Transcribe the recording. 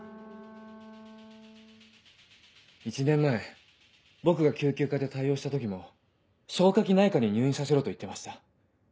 １年前僕が救急科で対応した時も「消化器内科に入院させろ」と言ってました。